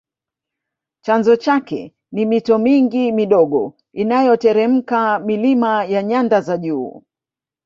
Chanzo chake ni mito mingi midogo inayoteremka milima ya nyanda za juu